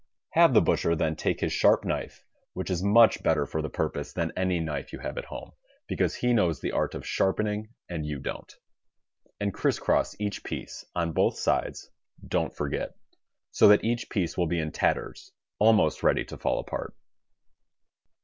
Have the butcher then take his sharp knife (which is much better for the purpose than any knife you have at home, because he knows the art of sharpening and you don't), and criss cross each piece, on both sides, don't forget. So that each piece will be in tatters, almost ready to fall apart.